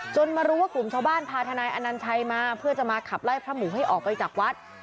มารู้ว่ากลุ่มชาวบ้านพาทนายอนัญชัยมาเพื่อจะมาขับไล่พระหมูให้ออกไปจากวัด